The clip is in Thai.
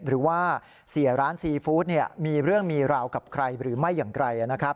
หรือว่าเสียร้านซีฟู้ดมีเรื่องมีราวกับใครหรือไม่อย่างไรนะครับ